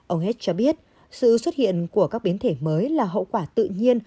ông hez cho biết sự xuất hiện của các biến thể mới là hậu quả tự nhiên